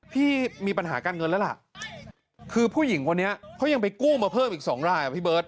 พี่มีปัญหาการเงินแล้วล่ะคือผู้หญิงคนนี้เขายังไปกู้มาเพิ่มอีกสองรายอ่ะพี่เบิร์ต